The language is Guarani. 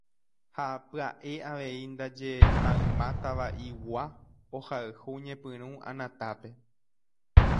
ha pya'e avei ndaje mayma Tava'igua ohayhu ñepyrũ Anatápe